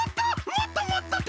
もっともっとたたくと。